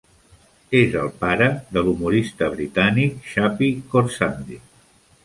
És el pare de l'humorista britànic Shappi Khorsandi.